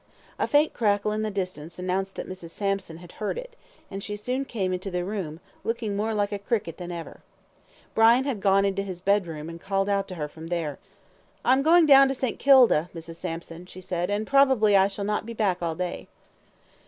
A faint crackle in the distance announced that Mrs. Sampson had heard it, and she soon came into the room, looking more like a cricket than ever. Brian had gone into his bedroom, and called out to her from there "I am going down to St. Kilda, Mrs. Sampson," he said, "and probably I shall not be back all day."